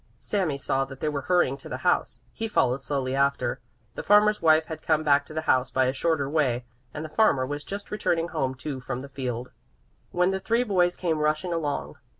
Sami saw that they were hurrying to the house; he followed slowly after. The farmer's wife had come back to the house by a shorter way, and the farmer was just returning home too from the field, when the three boys came rushing along.